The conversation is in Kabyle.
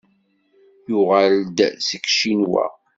Yuɣal-d seg Ccinwa.